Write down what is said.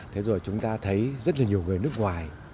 thế rồi chúng ta thấy rất là nhiều người nước ngoài